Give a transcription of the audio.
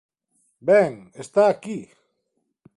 Ben, está aquí.